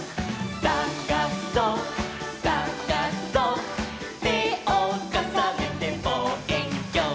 「さがそさがそ」「てをかさねてぼうえんきょう」